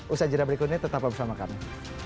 usaha jera berikutnya tetap bersama kami